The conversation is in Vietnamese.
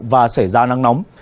và sẽ ra nắng nóng